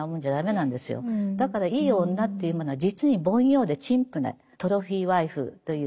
だからいい女っていうものは実に凡庸で陳腐なトロフィーワイフという。